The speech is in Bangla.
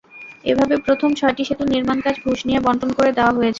এভাবে প্রথম ছয়টি সেতুর নির্মাণকাজ ঘুষ নিয়ে বণ্টন করে দেওয়া হয়েছে।